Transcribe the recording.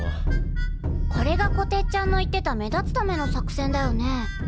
これがこてっちゃんの言ってた目立つための作戦だよね。